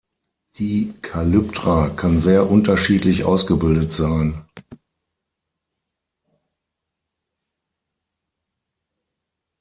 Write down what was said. Die Kalyptra kann sehr unterschiedlich ausgebildet sein.